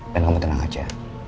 dan kamu tenang aja